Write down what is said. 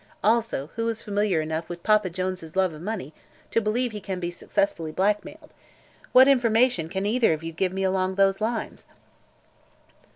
Also who is familiar enough with Papa Jones' love of money to believe he can be successfully blackmailed. What information can either of you give me along those lines?"